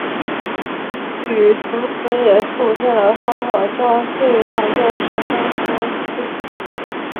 此曲同时也促进了双手交替弹奏十六分音符的技术。